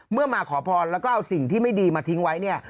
เมื่อมาขอพรและเอาสิ่งที่ไม่ดีมาทิ้งไว้เนี่ย